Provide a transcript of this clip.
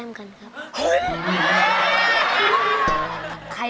สบาย